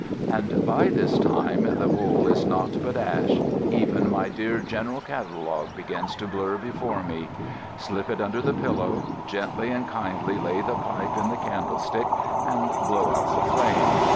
And by this time the bowl is naught but ash. Even my dear General Catalogue begins to blur before me. Slip it under the pillow; gently and kindly lay the pipe in the candlestick, and blow out the flame.